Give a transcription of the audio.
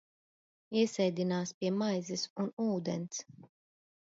Iesēdinās pie maizes un ūdens.